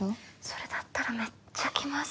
それだったらめっちゃ気まずい。